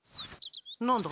何だ？